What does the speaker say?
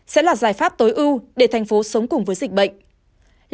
sẽ là giải pháp tối ưu để thành phố sống cùng với dịch bệnh